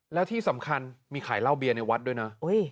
แล้วที่สำคัญมีขายเหล้าเบียร์ในวัดด้วยนะ